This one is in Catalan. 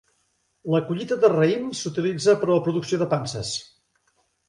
La collita de raïm s'utilitza per a la producció de panses.